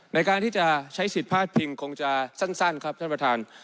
ในการที่จะใช้สิทธิ์พลาดพิงคงจะสั้นครับท่านประธาน